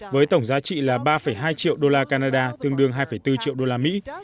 với tổng giá trị là ba hai triệu đô la canada tương đương hai bốn triệu đô la mỹ